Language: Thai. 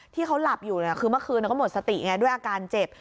ที่เขาหลับอยู่คือเมื่อคืนก็หมดสติไงด้วยอาการเจ็บ